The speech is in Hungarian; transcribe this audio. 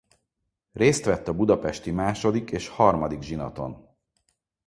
Részt vett a budapesti második és harmadik zsinaton.